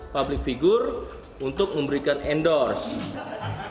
public figure untuk memberikan endorse